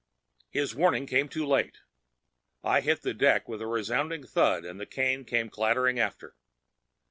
His warning came too late. I hit the deck with a resounding thud, and the cane came clattering after.